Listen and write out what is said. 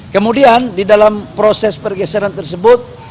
kemudian di dalam proses pergeseran tersebut